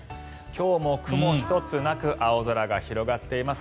今日も雲一つなく青空が広がっています。